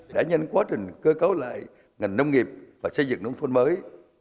đã nhanh quá trình cơ cấu lại ngành nông nghiệp và xây dựng nông thôn mới